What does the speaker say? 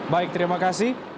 baik terima kasih